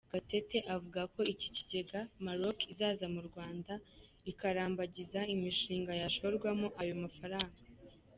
Gatete avuga ko iki kigega Maroc izaza mu Rwanda ikarambagiza imishinga yashorwamo ayo mafaranga.